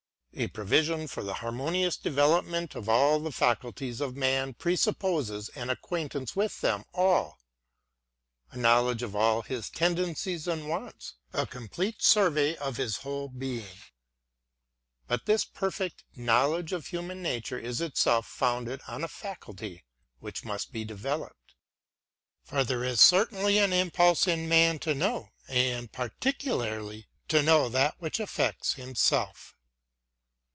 A provision for the harmonious development of all the faculties of man presupposes an acquaintance with them all, — a knowledge of all his tendencies and wants, — a com plete survey of his whole being. But this perfect Know ledge of human nature is itself founded on a faculty which must be developed; for there is certainly an impulse in man to hioiv, and particularly to know that which affects himself.